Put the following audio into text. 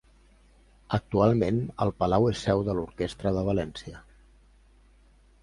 Actualment, el Palau és seu de l'orquestra de València.